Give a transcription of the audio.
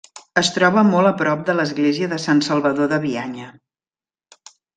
Es troba molt a prop de l’església de Sant Salvador de Bianya.